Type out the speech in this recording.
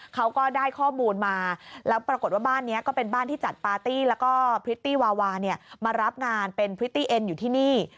เขาก็ได้ข้อมูลมาแล้วปรากฏว่าบ้านนี้ก็เป็นบ้านที่จัดปาร์ตี้แล้วก็พริตตี้วาวาเนี่ยมารับงานเป็นพริตตี้เอ็นอยู่ที่นี่